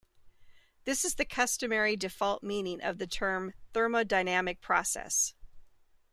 This is the customary default meaning of the term 'thermodynamic process'.